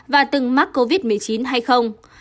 và từng mắc covid một mươi chín hay không